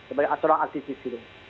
sebagai seorang aktivis gitu